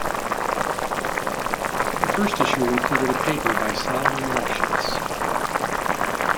The first issue included a paper by Solomon Lefschetz.